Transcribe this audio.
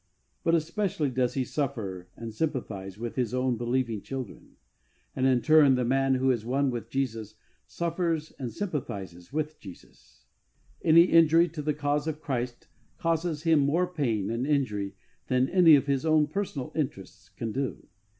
But especially does He suffer and sympathise with His own believing children. And in turn .the man who is one with Jesus suffers and sympathises with Jesus. Any injury to the cause of Christ causes him more pain and injury than any of his own personal interests can do.